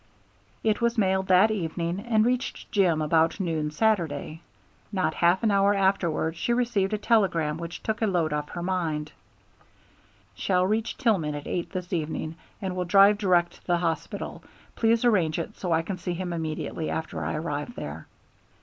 It was mailed that evening and reached Jim about noon Saturday. Not half an hour afterward she received a telegram which took a load off her mind: Shall reach Tillman at eight this evening and will drive direct to the hospital. Please arrange it so I can see him immediately after I arrive there.